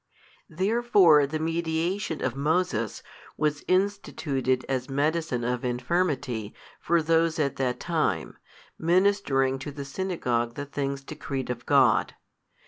Therefore the mediation of Moses was instituted as medicine of infirmity for those at that time, ministering to the synagogue the things decreed of God.